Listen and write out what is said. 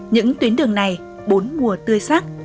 những tuyến đường này bốn mùa tươi sắc